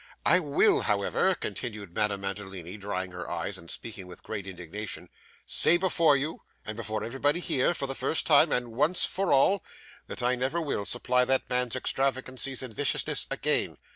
'I will, however,' continued Madame Mantalini, drying her eyes, and speaking with great indignation, 'say before you, and before everybody here, for the first time, and once for all, that I never will supply that man's extravagances and viciousness again.